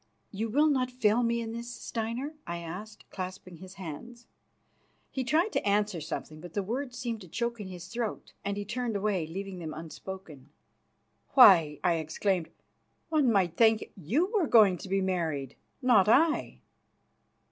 "You will not fail me in this, Steinar?" I said, clasping his hand. He tried to answer something, but the words seemed to choke in his throat and he turned away, leaving them unspoken. "Why," I exclaimed, "one might think you were going to be married, not I."